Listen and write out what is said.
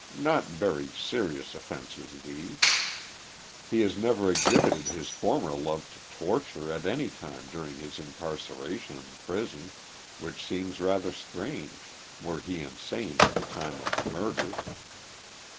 Not very serious offences these. 2(i THE LIFE OF JESSE HARDING POMEROY. lie lias never exhibited his former love to torture at any time during his incarceration in prison, which seems rather strange were he insane at the time of the murders.